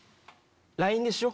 ＬＩＮＥでしよう